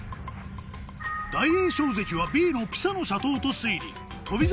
大栄翔関はＢのピサの斜塔と推理翔猿